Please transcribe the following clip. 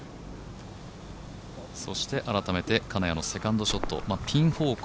そして改めて金谷のセカンドショット、ピン方向